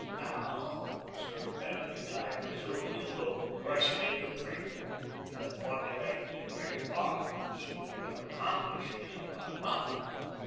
"Now," observed Vanamee, "I presume you will rush it into print. To have formulated a great thought, simply to have accomplished, is not enough."